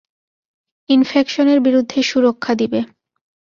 ইনফেকশনের বিরুদ্ধে সুরক্ষা দিবে।